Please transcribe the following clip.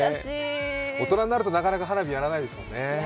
大人になると、なかなか花火やらないですよね。